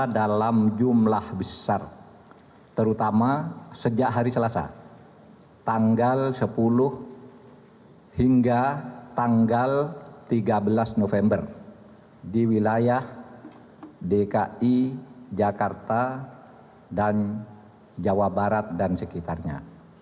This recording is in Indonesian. dalam jumlah besar terutama sejak hari selasa tanggal sepuluh hingga tanggal tiga belas november di wilayah dki jakarta dan jawa barat dan sekitarnya